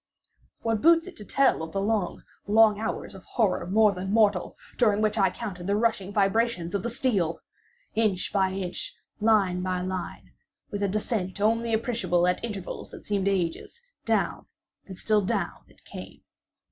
What boots it to tell of the long, long hours of horror more than mortal, during which I counted the rushing vibrations of the steel! Inch by inch—line by line—with a descent only appreciable at intervals that seemed ages—down and still down it came!